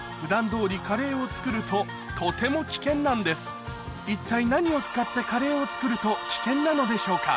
皆さんも一体何を使ってカレーを作ると危険なのでしょうか？